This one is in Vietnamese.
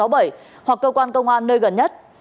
và cơ quan công an nơi gần nhất